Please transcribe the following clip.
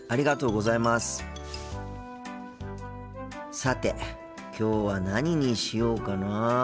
さてきょうは何にしようかな。